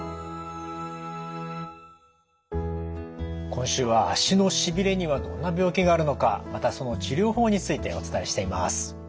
今週は足のしびれにはどんな病気があるのかまたその治療法についてお伝えしています。